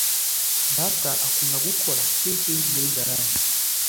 data akunda gukora tinking muri garage